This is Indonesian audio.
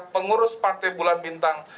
pengurus partai bulan bintang